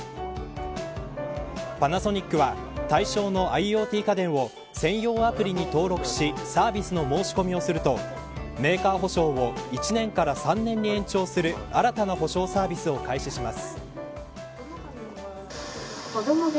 パナソニックは対象のＩｏＴ家電を専用アプリに登録しサービスの申し込みをするとメーカー保証を１年から３年に延長する新たな保証サービスを開始します。